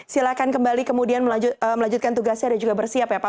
silahkan kembali kemudian melanjutkan tugasnya dan juga bersiap ya pak